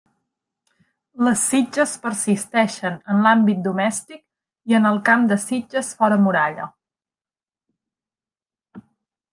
Les sitges persisteixen en l'àmbit domèstic i en el camp de sitges fora muralla.